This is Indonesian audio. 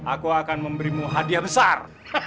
aku akan memberimu hadiah besar